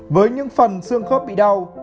với những phần xương khớp bị đau